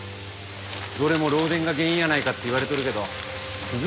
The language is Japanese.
どれも漏電が原因やないかって言われとるけど続きすぎやで。